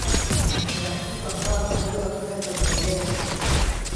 ขณะที่บางบ้านก็เลือกให้จำนวนเลข